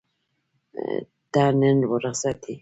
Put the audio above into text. ته نن رخصت یې؟